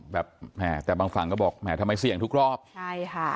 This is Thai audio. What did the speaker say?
แบบแหมแต่บางฝั่งก็บอกแหมทำไมเสี่ยงทุกรอบใช่ค่ะ